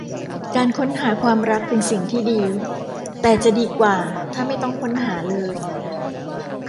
การค้นหาความรักเป็นสิ่งที่ดี แต่จะดีกว่าถ้าไม่ต้องค้นหาเลย